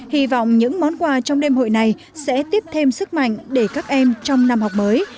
hy vọng những món quà trong đêm hội này sẽ tiếp thêm sức mạnh để các em trong năm học mới